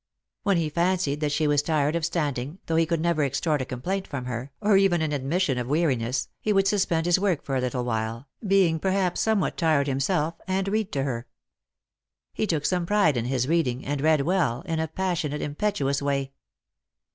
When he fancied that she was tired of standing, though he could never extort a complaint from her, or even an admission of weariness, he would suspend his work for a little while, being perhaps somewhat tifced himself, and read to her. He took some pride in his reading, and read well, in a passionate impetuous way.